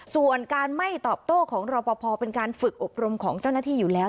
ส่วนการไม่ตอบโต้ของรอปภเป็นการฝึกอบรมของเจ้าหน้าที่อยู่แล้ว